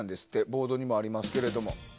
ボードにもありますけども。